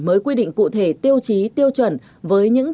với những trường hợp của thành phố hồ chí minh và thành phố hồ an độ